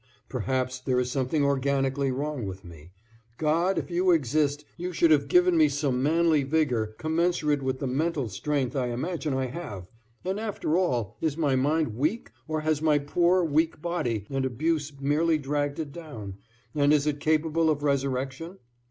Perhaps there is something organically wrong with me God, if you exist, you should have given me some manly vigor commensurate with the mental strength I imagine I have, and after all, is my mind weak or has my poor, weak body and abuse merely dragged it down, and is it capable of resurrection?